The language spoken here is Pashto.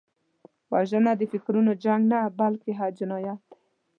وژنه د فکرونو جنګ نه، بلکې جنایت دی